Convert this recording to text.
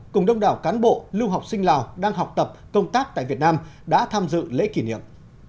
cùng đông đảo cán bộ lưu học sinh lào đang học tập công tác tại việt nam đã tham dự lễ kỷ niệm